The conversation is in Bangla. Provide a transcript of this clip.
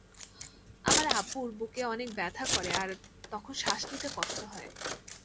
আমার আব্বুর বুকে অনেক ব্যথা করে আর তখন শ্বাস নিতে কষ্ট হয়।